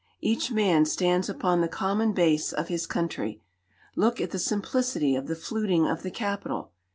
Each man stands upon the common base of his country. Look at the simplicity of the fluting of the capital.